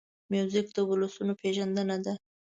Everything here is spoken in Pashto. موزیک د ولسونو پېژندنه ده.